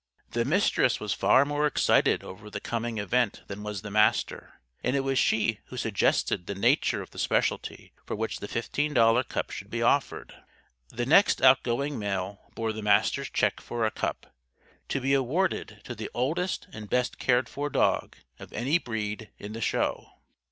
The Mistress was far more excited over the coming event than was the Master. And it was she who suggested the nature of the Specialty for which the fifteen dollar cup should be offered. The next outgoing mail bore the Master's check for a cup. "To be awarded to the oldest and best cared for dog, of any breed, in the Show."